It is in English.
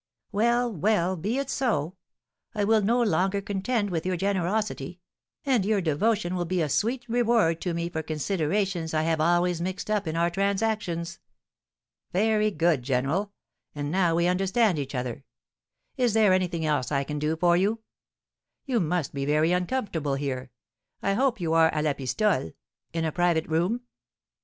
"Well, well; be it so. I will no longer contend with your generosity; and your devotion will be a sweet reward to me for considerations I have always mixed up in our transactions." "Very good, general; and now we understand each other. Is there anything else I can do for you? You must be very uncomfortable here. I hope you are à la pistole (in a private room)?"